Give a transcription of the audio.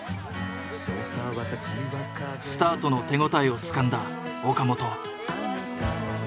スタートの手応えをつかんだ岡本。